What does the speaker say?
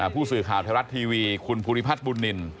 ผู้สื่อข่าวไทยรัฐทีวีคุณภูริพัฒน์บุญนิน